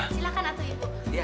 silakan atta ibu